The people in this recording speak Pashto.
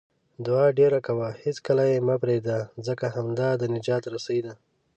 دعاء ډېره کوه، هیڅکله یې مه پرېږده، ځکه همدا د نجات رسۍ ده